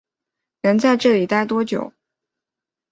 能在这里待多久